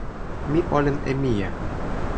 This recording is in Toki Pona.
mi olin e mije.